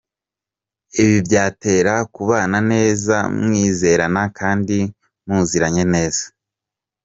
Ibi byabatera kubana neza mwizerana kandi muziranye neza.